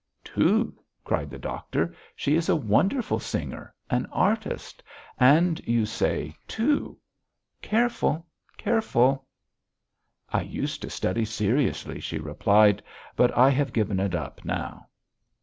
"Too?" cried the doctor. "She is a wonderful singer, an artist, and you say too! Careful, careful!" "I used to study seriously," she replied, "but I have given it up now."